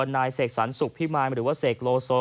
นายเสกสรรสุขพิมายหรือว่าเสกโลโซ